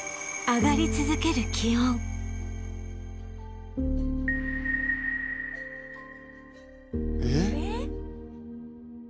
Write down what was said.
上がり続ける気温えっ？